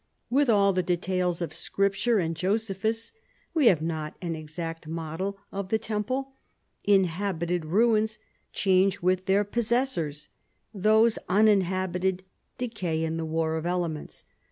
With all the details of Scripture and Josephus, we have not an exact model of the temple. Inhabited ruins change with their possessors: those uninhabited decay in the war of elements.